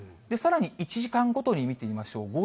さらに１時間ごとに見てみましょう。